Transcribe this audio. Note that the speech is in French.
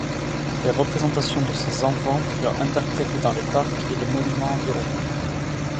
Les représentations de ses enfants furent interprétées dans les parcs et les monuments environnants.